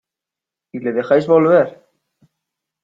¿ Y le dejáis volver?